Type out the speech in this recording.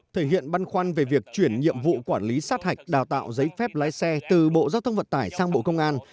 thể hiện băn khoăn về việc chuyển nhiệm vụ quản lý sát hạch đào tạo giấy phép lái xe từ bộ giao thông vận tải sang bộ công an